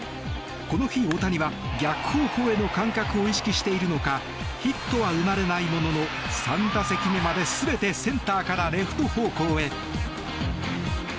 この日、大谷は逆方向への感覚を意識しているのかヒットは生まれないものの３打席目まで全てセンターからレフト方向へ。